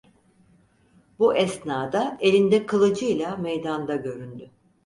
Bu esnada elinde kılıcıyla meydanda göründü.